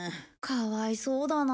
かわいそうだな。